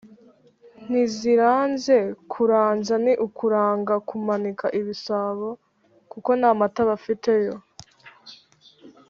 ntiziranze: kuranza ni ukuranga (kumanika) ibisabo kuko nta mata bafite yo